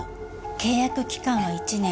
契約期間は１年。